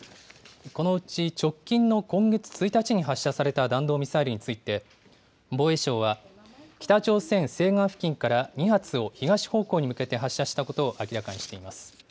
このうち直近の今月１日に発射された弾道ミサイルについて、防衛省は、北朝鮮西岸付近から２発を東方向に向けて発射したことを明らかにしています。